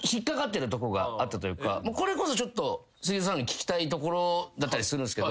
これこそちょっとＳＵＧＩＺＯさんに聞きたいところだったりする。